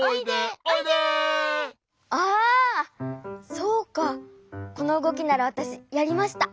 そうかこのうごきならわたしやりました。